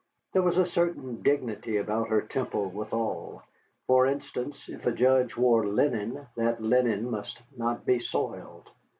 There was a certain dignity about her temple withal, for instance, if a judge wore linen, that linen must not be soiled.